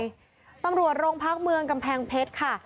องค์ตังหลวงภาคเมืองกำแพงเพชรค่ะ